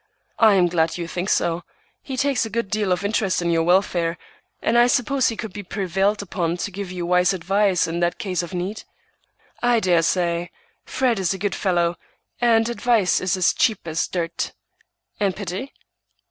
"I am glad you think so. He takes a good deal of interest in your welfare, and I suppose he could be prevailed upon to give you wise advice in case of need." "I dare say. Fred is a good fellow, and advice is as cheap as dirt." "And pity?"